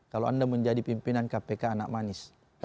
kalau anda menjadi pimpinan kpk anak manis